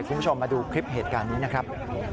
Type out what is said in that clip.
คุณผู้ชมมาดูคลิปเหตุการณ์นี้นะครับ